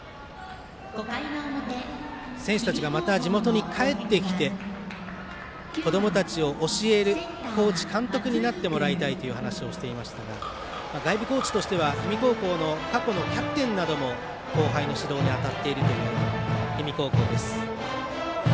選手たちがまた地元に帰ってきて子どもたちを教えるコーチ監督になってもらいたいというお話をしていましたが外部コーチとしては氷見高校の過去のキャプテンなども後輩の指導に当たっているという氷見高校です。